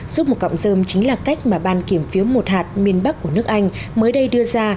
giúp một cọng dơm chính là cách mà ban kiểm phiếu một hạt miền bắc của nước anh mới đây đưa ra